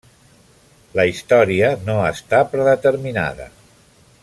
La història no està predeterminada.